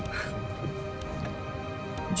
aku gak takut takut banget sih